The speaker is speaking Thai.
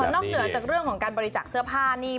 นอกเหนือจากเรื่องของการบริจาคเสื้อผ้านี่